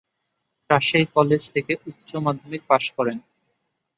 Rajshahi college থেকে উচ্চ মাধ্যমিক পাশ করেন।